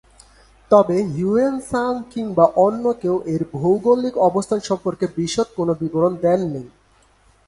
তবে Hiuen Tsang কিংবা অন্য কেউ এর ভৌগোলিক অবস্থান সম্পর্কে বিশদ কোনো বিবরণ দেন নি।